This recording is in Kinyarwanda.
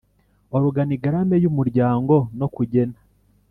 organigramme y Umuryango no kugena